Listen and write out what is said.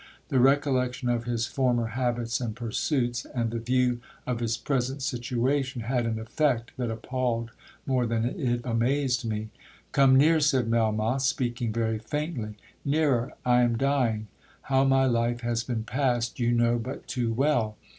The recollection of his former habits and pursuits, and the view of his present situation, had an effect that appalled more than it amazed me. 'Come near,' said Melmoth, speaking very faintly—'nearer. I am dying—how my life has been passed you know but too well.